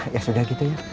ya sudah gitu ya